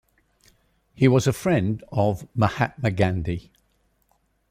He was a friend of Mahatma Gandhi.